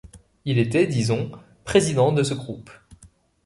Il était, disons, président de ce groupe.